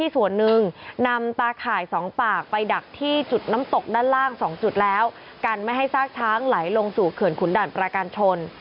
ส่วนหนึ่งนำตาข่าย๒ปากไปดักที่จุดน้ำตกด้านล่าง๒จุดแล้วกันไม่ให้ซากช้างไหลลงสู่เขื่อนขุนด่านประการชน